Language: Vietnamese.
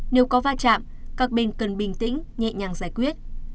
nếu có va chạm các bên cần bình tĩnh nhẹ nhàng giải quyết